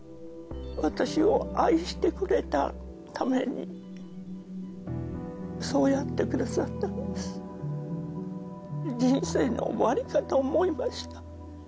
私を愛してくれたためにそうやってくださったんです人生の終わりかと思いました